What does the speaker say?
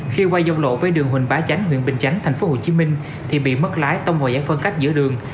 khi qua giao lộ với đường huỳnh bá chánh huyện bình chánh tp hcm thì bị mất lái tông vào giải phân cách giữa đường